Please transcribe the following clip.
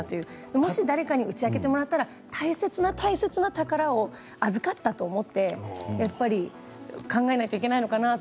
もし誰かに打ち明けてもらったら大切な大切な宝を預かったと思って考えないといけないのかなって。